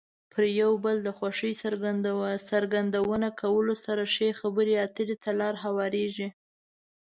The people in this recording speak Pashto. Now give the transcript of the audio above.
پر یو بل د خوښۍ څرګندونه کولو سره ښې خبرې اترې ته لار هوارېږي.